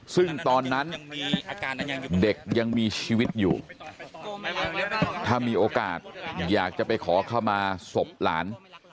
ซึ่งตอนนั้นเด็กยังมีชีวิตอยู่ถ้ามีโอกาสอยากจะไปขอเข้ามาศพหลาน